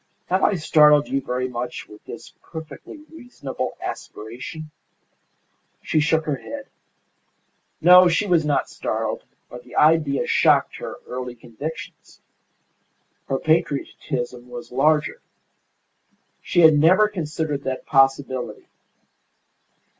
Have I startled you very much with this perfectly reasonable aspiration?" She shook her head. No, she was not startled, but the idea shocked her early convictions. Her patriotism was larger. She had never considered that possibility.